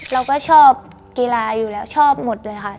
เราก็ชอบกีฬาอยู่แล้วชอบหมดเลยค่ะ